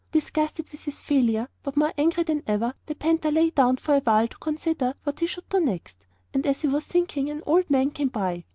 Disgusted with his failure, but more angry than ever, the panther lay down for a while to consider what he should do next, and as he was thinking, an old man came by.